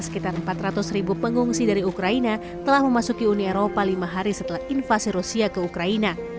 sekitar empat ratus ribu pengungsi dari ukraina telah memasuki uni eropa lima hari setelah invasi rusia ke ukraina